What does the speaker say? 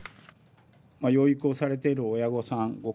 養育をされている親御さんご